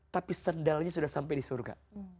tapi sendalnya sudah sampai di surga